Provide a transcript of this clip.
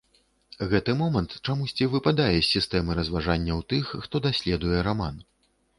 Гэты момант чамусьці выпадае з сістэмы разважанняў тых, хто даследуе раман.